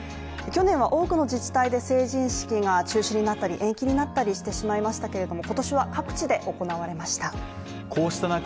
去年は多くの自治体で成人式が中止になったり延期になったりしてしまいましたけれども今年は各地で行われました。